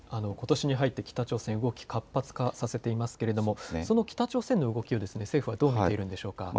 ことしに入って北朝鮮の動き活発化させていますけれども、その北朝鮮の動きを政府はどう見ているんでしょうか。